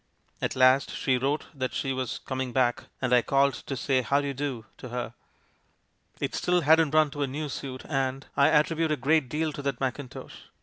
At last she wrote that she was com ing back — and I called to say 'how do you do' to her. It still hadn't run to a new suit, and — I attribute a great deal to that mackintosh